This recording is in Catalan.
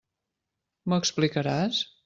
M'ho explicaràs?